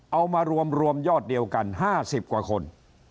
เอามารวมยอดเดียวกัน๕๐กว่าคน